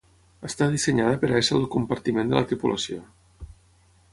Està dissenyada per a ésser el compartiment de la tripulació.